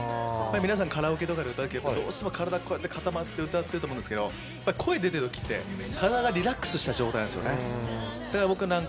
皆さん、カラオケとかで歌う時、どうしても体が固まって歌ってると思うんですけど、声が出ている時は体がリラックスした状態。